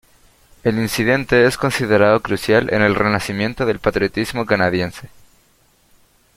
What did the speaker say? El incidente es considerado crucial en el renacimiento del patriotismo canadiense.